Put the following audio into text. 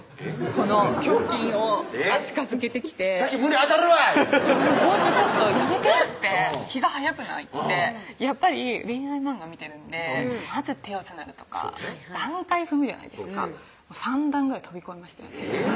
この胸筋を近づけてきて「先胸当たるわ！」いうて「ほんとちょっとやめてよ」って「気が早くない？」ってやっぱり恋愛マンガ見てるんでまず手をつなぐとか段階踏むじゃないですか３段ぐらい跳び越えましたよね